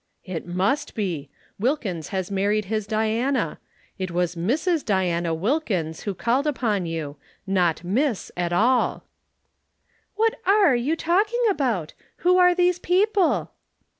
"It must be. Wilkins has married his Diana. It was Mrs. Diana Wilkins who called upon you not Miss at all." "What are you talking about? Who are these people?"